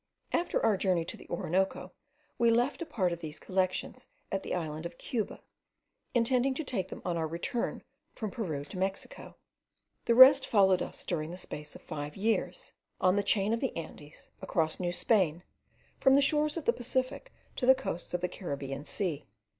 After our journey to the Orinoco, we left a part of these collections at the island of Cuba, intending to take them on our return from Peru to Mexico. The rest followed us during the space of five years, on the chain of the Andes, across New Spain, from the shores of the Pacific to the coasts of the Caribbean Sea.